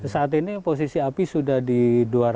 saat ini posisi api sudah di dua ratus